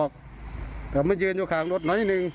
กลับมายืนอยู่ขอนของลดหนึ่ง